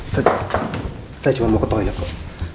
saya cuma mau ke toilet kok